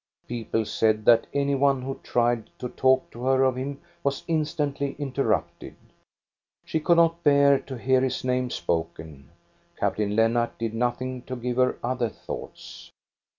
People said that any one who tried to talk to her of him was instantly interrupted. She could not bear to hear his name spoken. Captain Lennart did nothing to give her other thoughts.